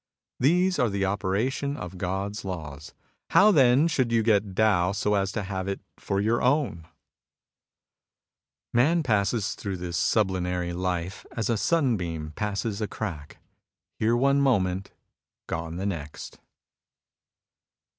These are the operation of God's laws. How then should you get Tao so as to have it for your own ?" Man passes through this sublunary life as a sunbeam passes a crack — ^here one moment, gone the next.